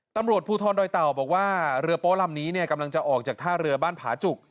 ตำรวจภูทรดอยเต่าบอกว่าเรือโป๊ลำนี้เนี่ยกำลังจะออกจากท่าเรือบ้านผาจุก